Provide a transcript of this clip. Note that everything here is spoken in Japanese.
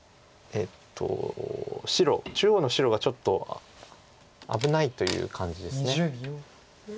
中央の白がちょっと危ないという感じです。